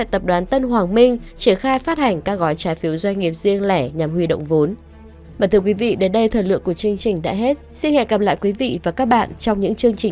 tập đoàn tân hoàng minh triển khai phát hành các gói trái phiếu doanh nghiệp riêng lẻ nhằm huy động vốn